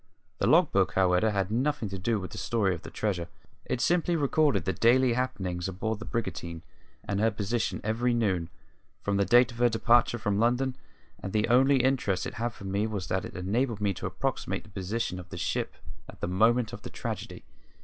The log book, however, had nothing to do with the story of the treasure; it simply recorded the daily happenings aboard the brigantine and her position every noon, from the date of her departure from London; and the only interest it had for me was that it enabled me to approximate the position of the ship at the moment of the tragedy.